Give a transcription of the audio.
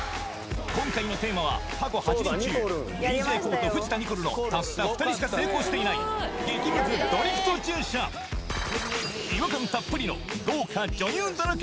今回のテーマは過去８人中ＤＪＫＯＯと藤田ニコルのたった２人しか成功していない激ムズドリフト駐車違和感たっぷりの豪華女優だらけ